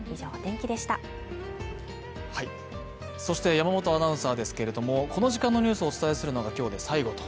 山本アナウンサーですけれどもこの時間のニュースをお伝えするのが今日で最後と